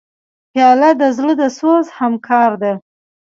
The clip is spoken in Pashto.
پیاله د زړه د سوز همکار ده.